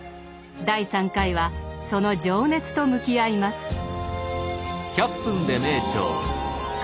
第３回はその情熱と向き合います。